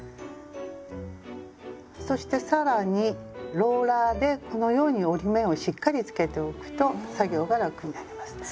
そして更にローラーでこのように折り目をしっかりつけておくと作業が楽になります。